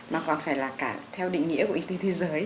mà còn phải là cả theo định nghĩa của y tế thế giới